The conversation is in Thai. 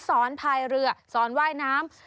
สอนถ่ายเรือซอนว่ายน้ำ